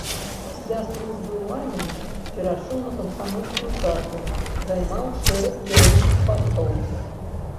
Пасля службы ў арміі перайшоў на камсамольскую працу, займаў шэраг кіруючых пастоў.